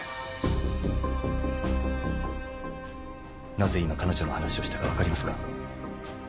なぜ今彼女の話をしたか分かりますか？